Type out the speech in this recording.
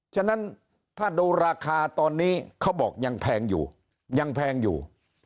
ฉะนั้นถ้าดูราคาตอนนี้เขาบอกยังแพงอยู่ยังแพงอยู่